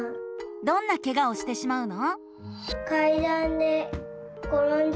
どんなケガをしてしまうの？